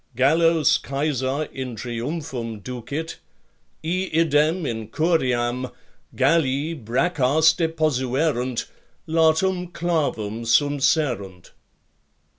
Gallos Caesar in triumphum ducit: iidem in curiam Galli braccas deposuerunt, latum clavum sumpserunt.